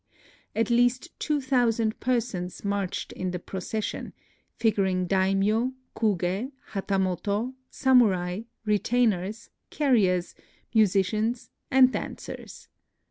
At least two thousand persons marched in the NOTES OF A TRIP TO KYOTO 69 procession, figuring daimj^o, kuge, hatamoto, samurai, retainers, carriers, musicians, and dancers.